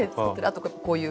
あとこういう。